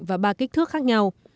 và ba kích thước khác nhau